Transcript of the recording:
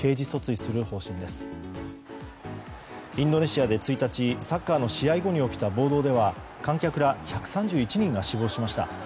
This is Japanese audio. インドネシアで１日サッカーの試合後に起きた暴動では観客ら１３１人が死亡しました。